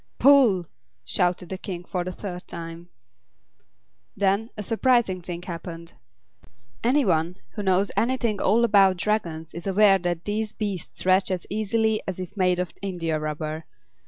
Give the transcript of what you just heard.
"Pull!" shouted the King for the third time. Then a surprising thing happened. Any one who knows anything at all about Dragons is aware that these beasts stretch as easily as if made of india rubber.